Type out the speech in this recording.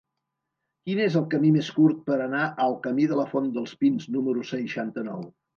Quin és el camí més curt per anar al camí de la Font dels Pins número seixanta-nou?